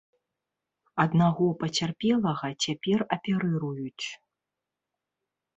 Аднаго пацярпелага цяпер аперыруюць.